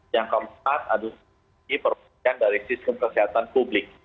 yang keempat ada strategi perubahan dari sistem kesehatan publik